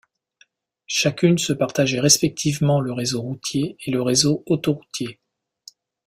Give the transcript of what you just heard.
Chacune se partageaient respectivement le réseau routier et le réseau autoroutier.